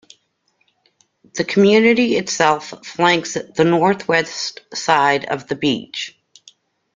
The community itself flanks the northwest side of the beach.